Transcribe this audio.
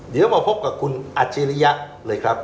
เดี๋ยวมาพบกับคุณอัจฉริยะเลยครับ